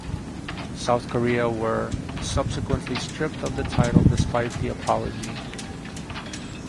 South Korea were subsequently stripped of the title despite the apology.